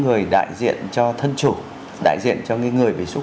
người đại diện cho thân chủ đại diện cho những người bị xúc